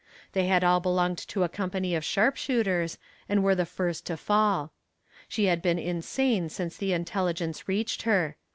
They had all belonged to a company of sharpshooters, and were the first to fall. She had been almost insane since the intelligence reached her.